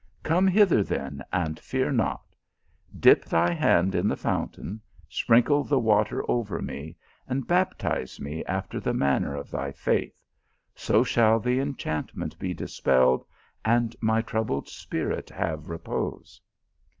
44 Come hither, then, and fear not : dip thy hand in the fountain, sprinkle the water over me, and bap tize me alter the manner of thy faith; so shall the enchantment be dispelled, and my troubled spirit have repose."